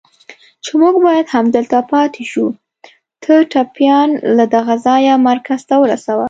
چې موږ باید همدلته پاتې شو، ته ټپيان له دغه ځایه مرکز ته ورسوه.